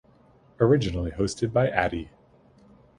Originally hosted by Atty.